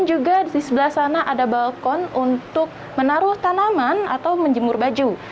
dan juga di sebelah sana ada balkon untuk menaruh tanaman atau menjemur baju